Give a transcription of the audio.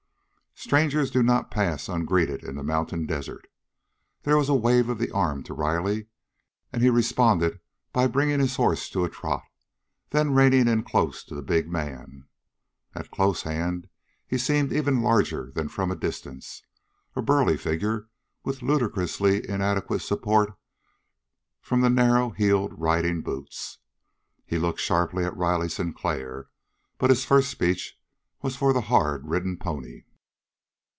Strangers do not pass ungreeted in the mountain desert. There was a wave of the arm to Riley, and he responded by bringing his horse to a trot, then reining in close to the big man. At close hand he seemed even larger than from a distance, a burly figure with ludicrously inadequate support from the narrow heeled riding boots. He looked sharply at Riley Sinclair, but his first speech was for the hard ridden pony.